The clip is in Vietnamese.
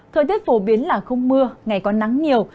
thời tiết phổ biến là không mưa ngày có nắng nhiều